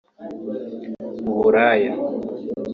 uburaya